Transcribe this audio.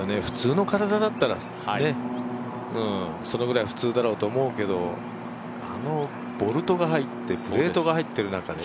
普通の体だったら、そのぐらいは普通だろうと思うけどあのボルトが入って、プレートが入ってる中で。